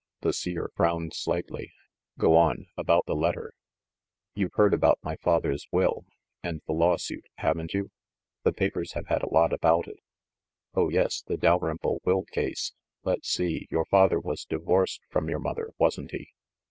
The Seer frowned slightly. "Go on, — about the let ter." "You've heard about my father's will, and the law suit, haven't you? The papers haye had a lot about it." "Oh, yes, the Dalrymple will case. Let's see — your father was divorced from your mother, wasn't he?"